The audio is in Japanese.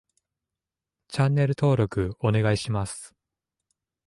チャンネル登録お願いします